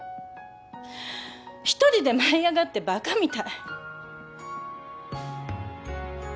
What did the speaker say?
一人で舞い上がってバカみたい。